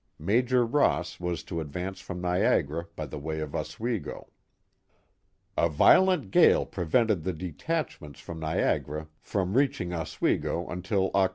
Major Ross was to advance from Niagara by the way of Oswego. A violent gale prevented the detachments from Niagum froro j reaching Oswego until Oct.